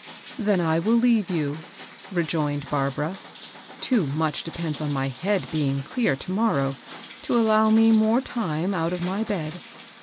^* Then I will leave you," rejoined Barbara. "Too much depends on my head being clear to morrow to allow me more time out of my bed.